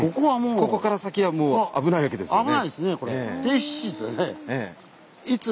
ここから先はもう危ないわけですよね。